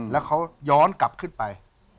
แล้วเขาย้อนกลับขึ้นไป